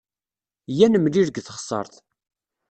Iyya ad t-nemlil deg teɣsert.